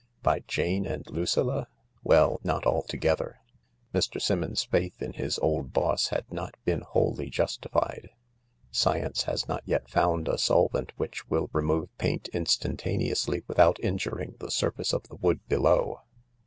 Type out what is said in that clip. By Jane and Lucilla ? Well, not altogether. Mr. Summons's faith in his old boss had not been wholly justified. Science has not yet found a solvent which wiU remove paint instantaneously without injuring the surface of the wood below.